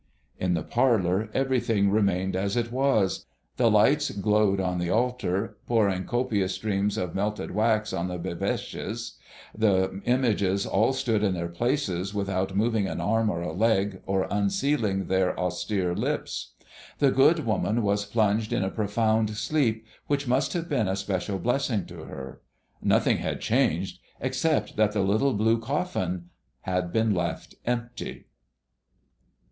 In the parlor everything remained as it was; the lights glowed on the altar, pouring copious streams of melted wax on the bobeches. The images all stood in their places without moving an arm or a leg or unsealing their austere lips. The good woman was plunged in a profound sleep which must have been a special blessing to her. Nothing had changed, except that the little blue coffin had been left empty.